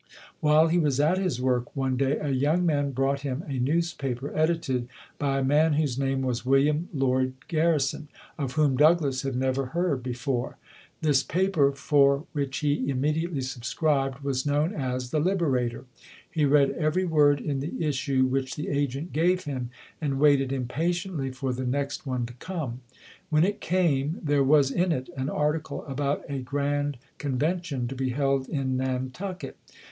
While he was at his work one day a young man brought him a newspaper edited by a man whose name was William Lloyd Garrison, of whom Douglass had never heard before. This paper, for which he immediately subscribed, was known as "The Liberator". He read every word in the issue which the agent gave him and waited impa 30 ] UNSUNG HEROES tiently for the next one to come. When it came, there was in it an article about a grand convention to be held in Nantucket.